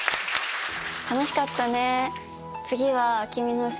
楽しかったね。